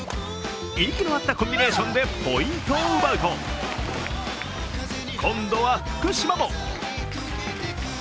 息の合ったコンビネーションでポイントを奪うと今度は福島も。